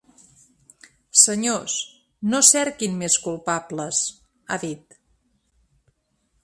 Senyors, no cerquin més culpables, ha dit.